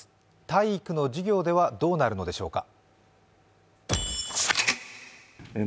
体育の授業ではどうなるのでしょうか。